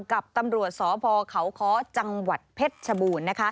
กับตำรวจสขจังหวัดเพชรชบูรณ์